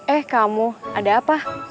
eh kamu ada apa